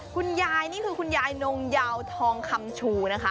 คุณยายนี่คือคุณยายนงยาวทองคำชูนะคะ